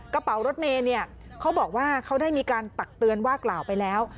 กระเป๋ารถเมย์เนี่ยเขาบอกว่าเขาได้มีการตักเตือนว่ากล่าวไปแล้ว